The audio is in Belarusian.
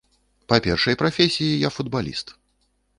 Па першай прафесіі я футбаліст.